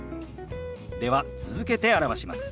では続けて表します。